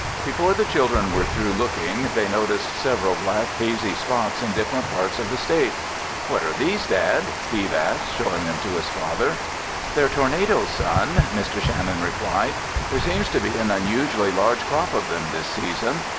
Before the children were through looking, they noticed several black hazy spots in different parts of the state. "What are these, Dad?" Steve asked, showing them to his father. "They're tornadoes, Son," Mr. Shannon replied. "There seems to be an unusually large crop of them this season.